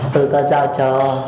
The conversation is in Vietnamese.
tôi đã giao cho